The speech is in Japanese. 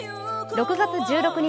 ６月１６日